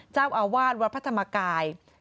เจ้าอาวาสวัตรวัตถ์พระธรรมกาย